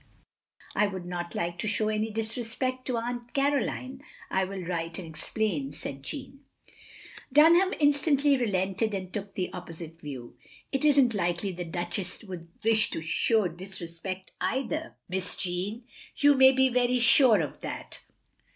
"I would not like to show any disrespect to Aunt Caroline. I will write and explain," said Jeanne. Dtmham instantly relented and took the op posite view. " It is n't likely the Duchess would wish to shew disrespect either. Miss Jane, you may be very sure of that.